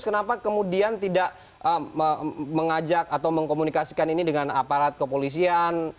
kenapa kemudian tidak mengajak atau mengkomunikasikan ini dengan aparat kepolisian